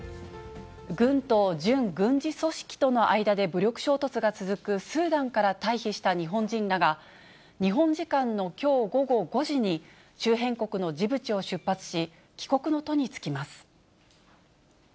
軍と準軍事組織との間で武力衝突が続くスーダンから退避した日本人らが、日本時間のきょう午後５時に、周辺国のジブチを出発し、帰国の途に就きます。